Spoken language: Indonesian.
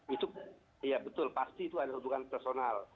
itu ya betul pasti itu ada hubungan personal